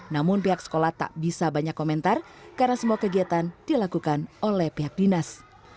namun pihak sekolah tak bisa banyak komentar karena semua kegiatan dilakukan oleh pihak dinas